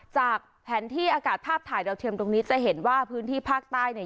จากแผนที่อากาศภาพถ่ายดาวเทียมตรงนี้จะเห็นว่าพื้นที่ภาคใต้เนี่ย